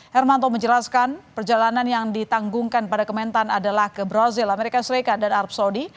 hermanto menjelaskan perjalanan yang ditanggungkan pada kementan adalah ke brazil amerika serikat dan arab saudi